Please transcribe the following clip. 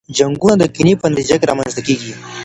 جنګونه د کینې په نتیجه کي رامنځته کیږي.